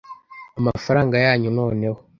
amafaranga yanyu noneho